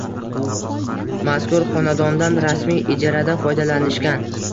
Mazkur xonadondan rasmiy ijarada foydalanishgan.